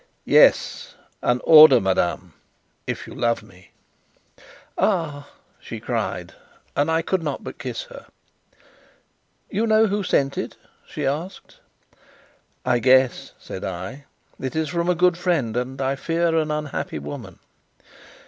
"Yes, an order, madame if you love me." "Ah!" she cried; and I could not but kiss her. "You know who sent it?" she asked. "I guess," said I. "It is from a good friend and I fear, an unhappy woman.